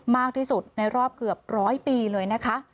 มากที่สุดในรอบเกือบร้อยปีเลยนะคะ